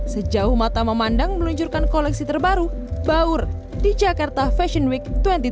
sejauh mata memandang meluncurkan koleksi terbaru baur di jakarta fashion week dua ribu dua puluh